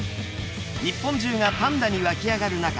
日本中がパンダに沸き上がる中